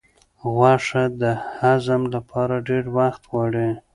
غوښه د هضم لپاره ډېر وخت غواړي.